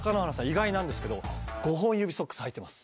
意外なんですけど。